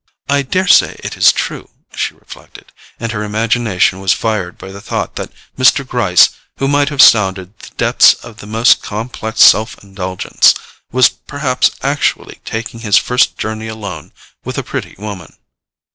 "I daresay it is true," she reflected; and her imagination was fired by the thought that Mr. Gryce, who might have sounded the depths of the most complex self indulgence, was perhaps actually taking his first journey alone with a pretty woman.